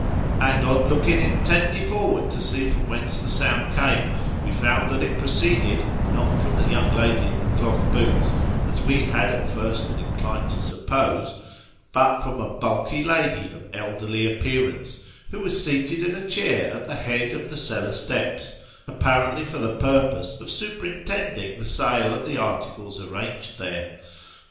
" and on looking intently forward to see from whence the sound came, we found that it proceeded, not from the young lady in the cloth boots, as we had at first been inclined to suppose, but from a bulky lady of elderly appearance who was seated in a chair at the head of the cellar steps, apparently for the purpose of superintending the sale of the articles arranged there.